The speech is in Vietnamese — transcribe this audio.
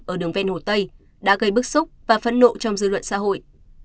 ở đường ven hồ tây đã gây bức xúc và phẫn nộ trong dư luận xã hội